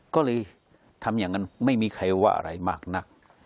ก็เลยทำอย่างนั้นไม่มีใครว่าอะไรมากนัก